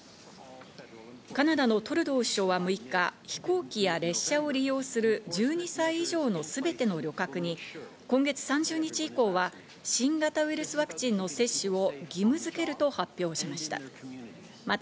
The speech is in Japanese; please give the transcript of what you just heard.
カナダのトルドー首相は６日、飛行機や列車を利用する１２歳以上のすべての旅客に、今月３０日以降は新型ウイルスワクチンの接種を義務づけると発表しました。